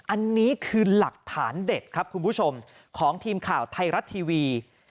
อันนี้คือหลักฐานเด็ดครับคุณผู้ชมของทีมข่าวไทยรัฐทีวี